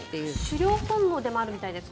狩猟本能でもあるみたいです。